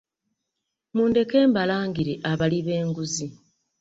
Mundeke mbalangire abali b'enguzi .